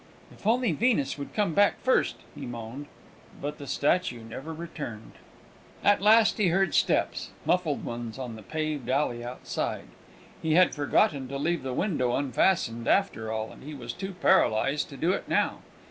"If only Venus would come back first!" he moaned; but the statue never returned. At last he heard steps muffled ones on the paved alley outside. He had forgotten to leave the window unfastened, after all, and he was too paralysed to do it now.